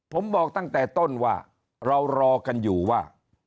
ผมบอกตั้งแต่ต้นว่าเรารอกันอยู่ว่า